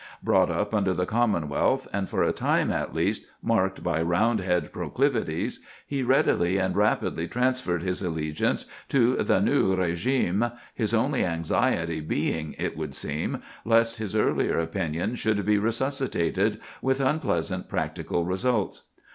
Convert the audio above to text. Brought up under the Commonwealth, and, for a time at least, marked by Roundhead proclivities, he readily and rapidly transferred his allegiance to the new régime, his only anxiety being, it would seem, lest his earlier opinions should be resuscitated, with unpleasant practical results.